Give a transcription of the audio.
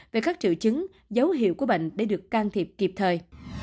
về các triệu chứng dấu hiệu của bệnh để được can thiệp kịp thời